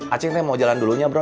acing mau jalan dulunya bro